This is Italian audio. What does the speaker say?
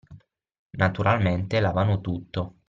Naturalmente lavano tutto.